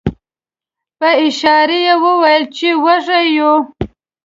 په اشاره یې وویل چې وږي یو.